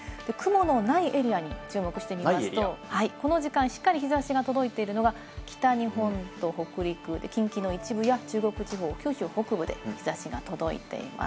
雲のないエリアに注目してみますと、この時間しっかり日差しが届いているのが、北日本と北陸、近畿の一部や中国地方、九州北部で日差しが届いています。